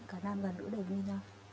cả nam và nữ đều như nhau